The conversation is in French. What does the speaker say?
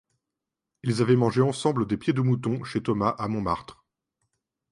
Ils avaient mangé ensemble des pieds de mouton, chez Thomas, à Montmartre.